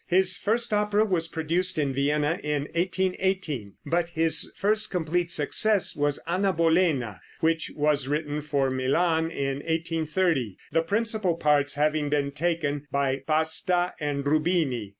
His first opera was produced in Vienna in 1818, but his first complete success was "Anna Bolena," which was written for Milan in 1830, the principal parts having been taken by Pasta and Rubini.